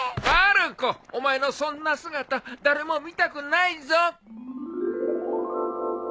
まる子お前のそんな姿誰も見たくないぞ。